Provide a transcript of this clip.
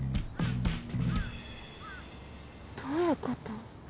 どういうこと？